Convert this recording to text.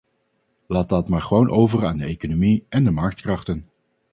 Laat dat maar gewoon over aan de economie en de marktkrachten.